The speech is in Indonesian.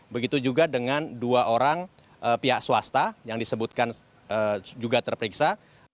begitu juga dengan dua orang pihak swasta yang disebutkan juga terperiksa